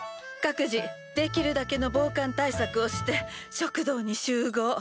各自できるだけの防寒対策をして食堂に集合。